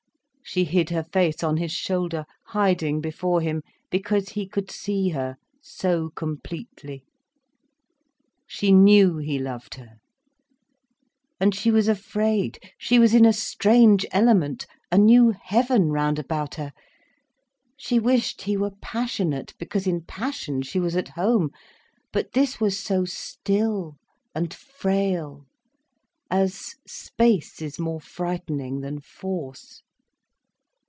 She hid her face on his shoulder, hiding before him, because he could see her so completely. She knew he loved her, and she was afraid, she was in a strange element, a new heaven round about her. She wished he were passionate, because in passion she was at home. But this was so still and frail, as space is more frightening than force.